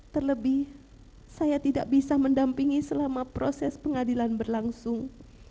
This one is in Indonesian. terlebih saya tidak bisa mendampingi selama proses pengadilan berlangsung